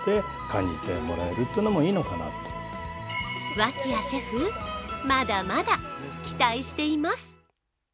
脇屋シェフ、まだまだ期待しています。